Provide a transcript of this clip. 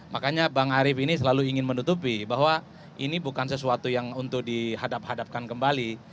makanya bang arief ini selalu ingin menutupi bahwa ini bukan sesuatu yang untuk dihadap hadapkan kembali